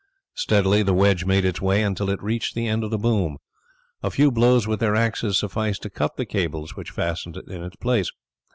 Steadily the wedge made its way until it reached the end of the boom. A few blows with their axes sufficed to cut the cables which fastened it in its place.